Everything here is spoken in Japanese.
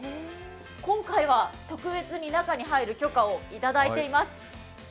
今回は特別に中に入る許可をいただいています。